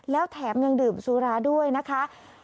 แล้วแถมยังดื่มสุราด้วยนะคะ